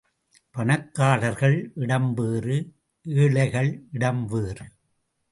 பணக்காரர்கள் இடம் வேறு, ஏழைகள் இடம் வேறு.